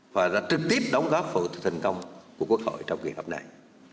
và đã trực tiếp đóng góp vào thành công của quốc hội trong kỳ họp này